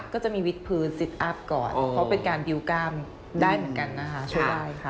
ก็จะมีวิกพื้นซิกอัพก่อนเพราะเป็นการบิวก้ามได้เหมือนกันนะคะช่วยได้ค่ะ